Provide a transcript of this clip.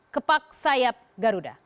kepak sayap garuda